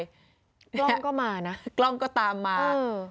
กล้องก็มานะกล้องก็ตามมา